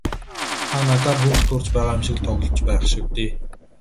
Та надаар хүүхэд хуурч байгаа юм шиг л тоглож байх шив дээ.